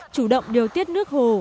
chủ động điều tiết nước hồ